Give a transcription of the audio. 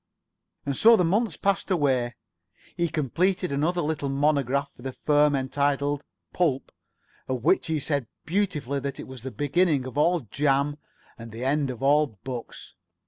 And so the months passed away. He completed another little monograph for the firm entitled "Pulp," of which he said beautifully that it was the beginning of all jam and the end of all books.